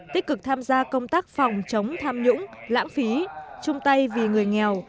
tích cực tham gia công tác phòng chống tham nhũng lãng phí chung tay vì người nghèo